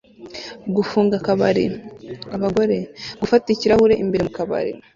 gufunga akabari (abagore) gufata ikirahure imbere mu kabari